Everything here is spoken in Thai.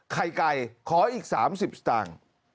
ไข่ไก่ขออีก๓๐สตางค์